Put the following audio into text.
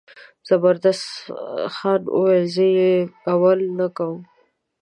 زبردست خان وویل زه یې اول نه ورکوم.